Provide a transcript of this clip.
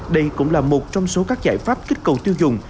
đây cũng là một trong số các giải pháp kích cầu tiêu dùng